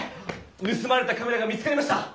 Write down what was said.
ぬすまれたカメラが見つかりました！